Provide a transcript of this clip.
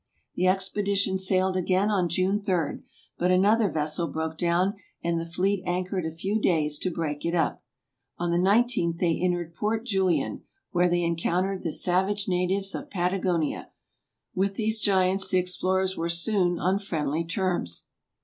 The expedition sailed again on June 3, but another ves sel broke down and the fleet anchored a few days to break it up. On the 19th they entered Port Julian, where they encountered the savage natives of Patagonia. With these giants the explorers were soon on friendly terms.